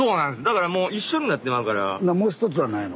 だからもう一緒になってまうから。